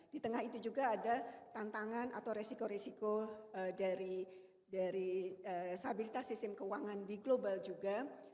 di tengah itu juga ada tantangan atau resiko resiko dari stabilitas sistem keuangan di global juga